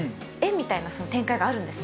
みたいな展開があるんです